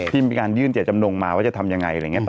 ที่มีการยื่นเจ็ดจำนงมาว่าจะทำอย่างไรอะไรง่าย